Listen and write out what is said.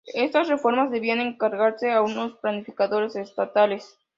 Estas reformas debían encargarse a unos planificadores estatales.